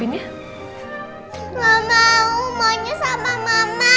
mama mau main sama mama